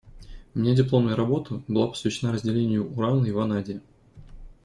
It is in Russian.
У меня дипломная работа, была посвящена разделению урана и ванадия.